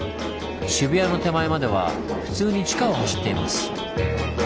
渋谷の手前までは普通に地下を走っています。